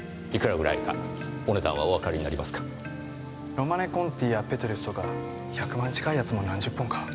ロマネ・コンティやペトルスとか百万近いやつも何十本か。